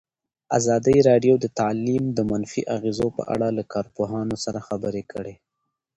ازادي راډیو د تعلیم د منفي اغېزو په اړه له کارپوهانو سره خبرې کړي.